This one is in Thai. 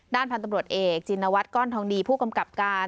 พันธุ์ตำรวจเอกจินวัฒนก้อนทองดีผู้กำกับการ